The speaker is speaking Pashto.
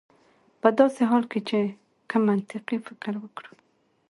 په داسې حال کې چې که منطقي فکر وکړو